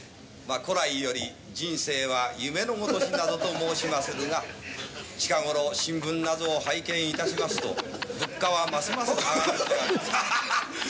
古来より「人生は夢のごとし」などと申しまするが近頃新聞などを拝見いたしますと物価はますます上がってハハハ！